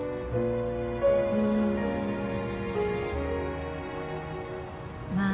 うんまあ